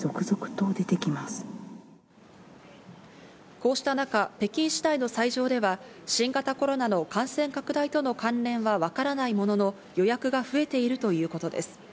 こうした中、北京市内の斎場では、新型コロナの感染拡大との関連はわからないものの、予約が増えているということです。